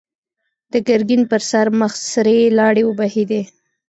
د ګرګين پر سره مخ سرې لاړې وبهېدې.